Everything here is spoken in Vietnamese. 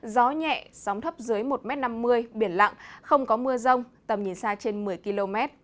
gió nhẹ sóng thấp dưới một năm mươi biển lặng không có mưa rông tầm nhìn xa trên một mươi km